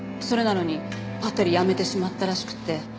それなのにぱったりやめてしまったらしくて。